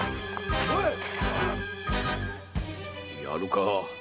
やるか？